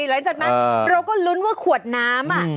หลังจากนั้นเราก็ลุ้นว่าขวดน้ำ